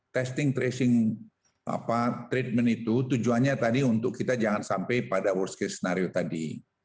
testing tracing treatment itu tujuannya tadi untuk kita jangan sampai pada worst case scenario tadi